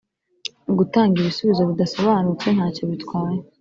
gutanga ibisubizo bidasobanutse nta cyo bitwaye